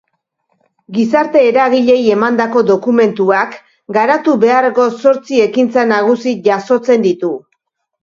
Gizarte-eragileei emandako dokumentuak garatu beharreko zortzi ekintza nagusi jasotzen ditu.